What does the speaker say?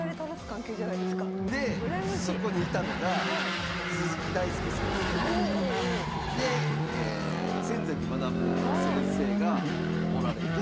そこにいたのが鈴木大介先生とで先崎学先生がおられて。